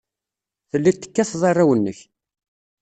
Telliḍ tekkateḍ arraw-nnek.